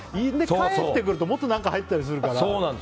帰ってくるともっと何か入ったりするから。